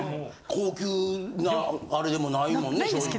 高級なアレでもないもんね。